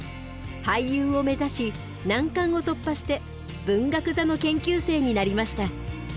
俳優を目指し難関を突破して文学座の研究生になりました。